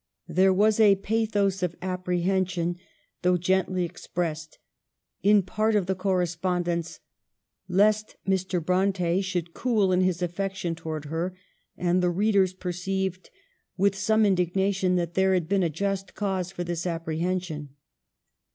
There was a pathos of apprehension (though gently expressed) in part of the correspondence lest Mr. Bronte should cool in his affection towards her, and the readers perceived with some indignation that there had been a just cause for this apprehen sion.